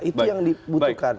itu yang dibutuhkan